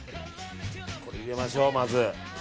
これを入れましょう、まず。